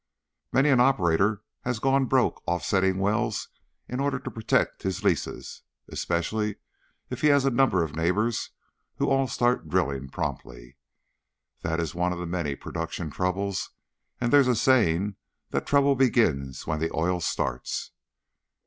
"Many an operator has gone broke offsetting wells in order to protect his leases, especially if he has a number of neighbors who all start drilling promptly. That is one of the many production troubles and there's a saying that trouble begins when the oil starts."